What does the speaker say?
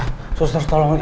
pak susu terus tolong